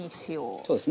そうですね。